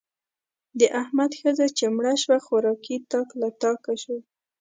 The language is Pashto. د احمد ښځه چې مړه شوه؛ خوارکی تاک له تاکه شو.